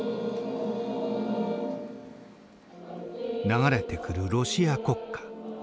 流れてくるロシア国歌。